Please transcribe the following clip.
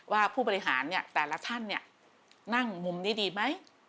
ผู้บริหารเนี่ยแต่ละท่านเนี่ยนั่งมุมนี้ดีไหม